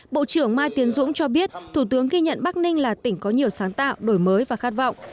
bộ trưởng mai tiến dũng cho biết thủ tướng ghi nhận bắc ninh là tỉnh có nhiều sáng tạo đổi mới và khát vọng